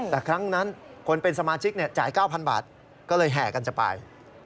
แต่ครั้งนั้นคนเป็นสมาชิกจ่าย๙๐๐บาทก็เลยแห่กันจะไป